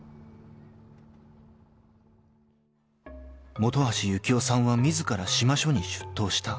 ［本橋幸雄さんは自ら志摩署に出頭した］